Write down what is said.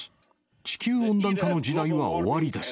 地球温暖化の時代は終わりです。